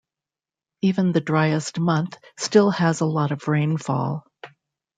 Even the driest month still has a lot of rainfall.